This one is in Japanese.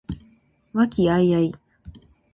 和気藹々